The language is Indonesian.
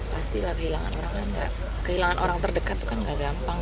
pastilah kehilangan orang terdekat kan gak gampang